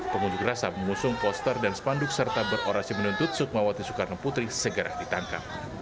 pengunjuk rasa mengusung poster dan spanduk serta berorasi menuntut sukmawati soekarno putri segera ditangkap